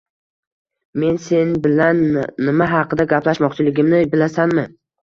Men sen bilan nima haqida gaplashmoqchiligimni bilasanmi?